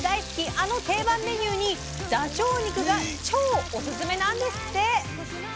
あの定番メニューにダチョウ肉が超オススメなんですって！